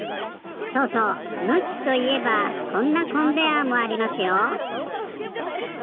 そうそう向きといえばこんなコンベヤーもありますよ。